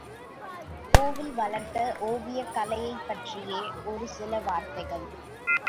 கோயில் வளர்த்த ஓவியக் கலையைப் பற்றியே ஒரு சில வார்த்தைகள்.